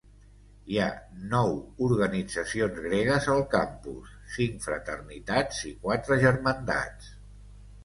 Hi ha nou organitzacions gregues al campus, cinc fraternitats i quatre germandats.